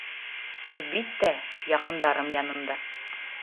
— Әлбиттә, яҡындарым янында.